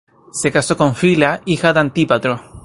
Se casó con Fila, hija de Antípatro.